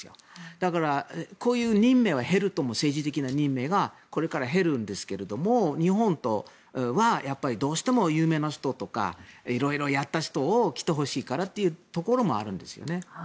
だから、こういう任命は減るとも政治的な任命はこれから減るんですけど日本は有名な人とか色々やった人が来てほしいからというところもあるんですね。